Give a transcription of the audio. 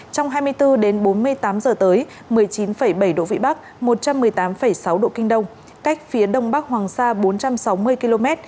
trong hai mươi bốn đến bốn mươi tám giờ tới một mươi chín bảy độ vĩ bắc một trăm một mươi tám sáu độ kinh đông cách phía đông bắc hoàng sa bốn trăm sáu mươi km